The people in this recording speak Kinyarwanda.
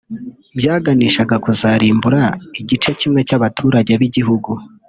byaganishaga kuzarimbura igice kimwe cy’abaturage b’igihugu